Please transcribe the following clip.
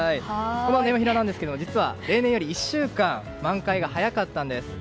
このネモフィラですが実は例年より１週間満開が早かったんです。